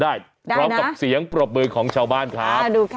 ได้นะกรอบกับเสียงปรบมือยของชาวบ้านครับอ่าดูค่ะ